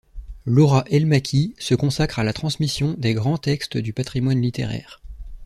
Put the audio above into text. Laura El Makki se consacre à la transmission des grands textes du patrimoine littéraire.